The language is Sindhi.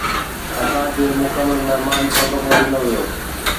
اسان کي مڪمل مهمان پروٽوڪول ڏنو ويو